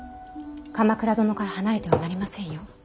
鎌倉殿から離れてはなりませんよ。